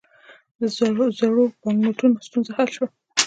د زړو بانکنوټونو ستونزه حل شوه؟